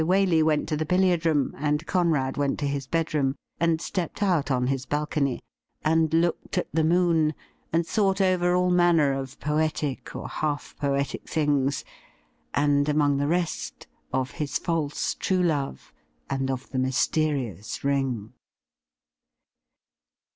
Waley went to the billiard room, and Conrad went to his bed room and stepped out on his balcony, and looked at the moon, and thought over all manner of poetic or half poetic things, and, among the rest, of his false true love, and of the mysterious ring.